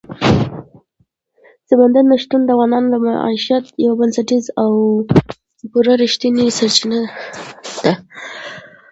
سمندر نه شتون د افغانانو د معیشت یوه بنسټیزه او پوره رښتینې سرچینه ده.